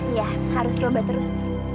iya harus coba terus